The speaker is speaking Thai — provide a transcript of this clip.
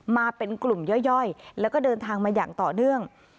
มาเป็นกลุ่มย่อยแล้วก็เดินทางมาอย่างต่อเนื่อง